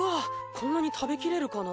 こんなに食べきれるかな。